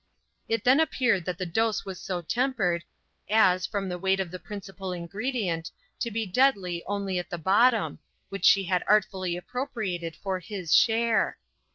It then appeared that the dose was so tempered, as, from the weight of the principal ingredient, to be deadly only at the bottom, which she had artfully appropriated for his share.